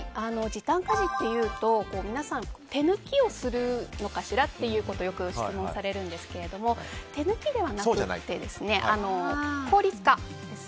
時短家事というと皆さん、手抜きをするのかしらとよく質問されるんですけども手抜きではなくて効率化です。